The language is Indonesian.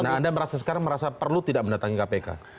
nah anda merasa sekarang merasa perlu tidak mendatangi kpk